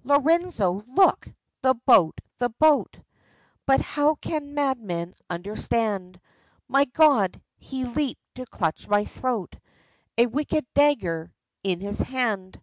" Lorenzo ! Look ! The boat ! The boat !" But how can mad men understand ? My God! He leaped to clutch my throat, A wicked dagger in his hand